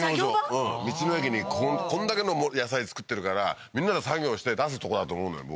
道の駅にこんだけの野菜作ってるからみんなで作業して出すとこだと思うのよ